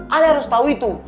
om harus tahu itu